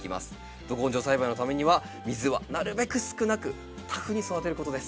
ど根性栽培のためには水はなるべく少なくタフに育てることです。